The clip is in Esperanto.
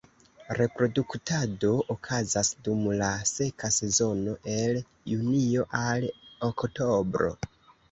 Reproduktado okazas dum la seka sezono el junio al oktobro.